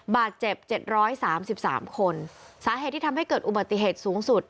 บาดเจ็บ๗๓๓คนสาเหตุที่ทำให้เกิดอุบัติเหตุสูงสุด